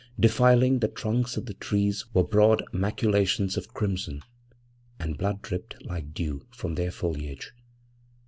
Defiling the trunks of the trees were broad maculations of crimson, and blood dripped like dew from their foliage.